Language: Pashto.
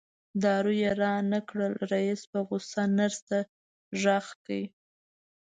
دارو یې رانه کړل رئیس په غوسه نرس ته غږ کړ.